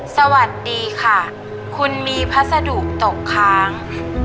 สวัสดีค่ะคุณมีพัสดุตกค้าง